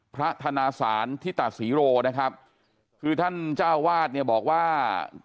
ธนาศาลธิตศรีโรนะครับคือท่านเจ้าวาดเนี่ยบอกว่า